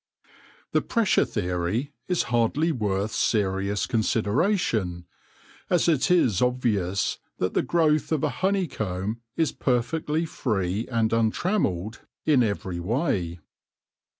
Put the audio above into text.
The pressure theory is hardly worth serious con sideration, as it is obvious that the growth of a honey comb is perfectly free and untrammelled in every way.